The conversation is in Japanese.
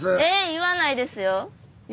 言わないですよ